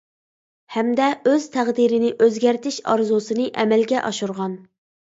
ھەمدە ئۆز تەقدىرىنى ئۆزگەرتىش ئارزۇسىنى ئەمەلگە ئاشۇرغان.